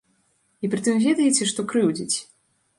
І пры тым, ведаеце, што крыўдзіць?